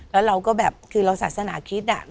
แล้วเราก็แบบคือเราศาสนาคิด